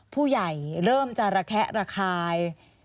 ผู้ใหญ่เริ่มจะระแคะระคาย